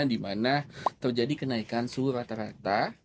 dimana terjadi kenaikan suhu rata rata